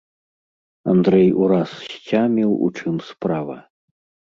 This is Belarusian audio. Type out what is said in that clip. Андрэй ураз сцяміў, у чым справа.